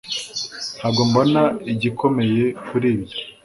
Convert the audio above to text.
Ntabwo mbona igikomeye kuri ibyo